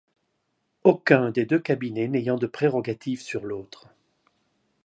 Aucun des deux cabinets n'ayant de prérogative sur l'autre.